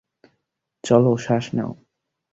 চলো, শ্বাস নাও।